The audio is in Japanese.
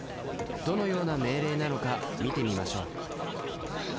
どのような命令なのか見てみましょう。